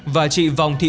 và chị vòng thùy